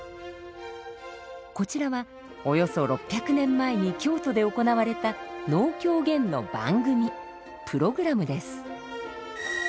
こちらはおよそ６００年前に京都で行われた能狂言の番組プログラムです。